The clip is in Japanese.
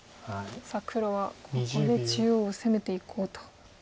さあ黒はここで中央を攻めていこうと。